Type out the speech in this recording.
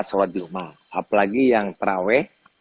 sholat di rumah apalagi yang terawih